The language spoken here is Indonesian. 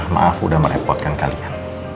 maaf udah merepotkan kalian